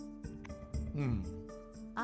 อืม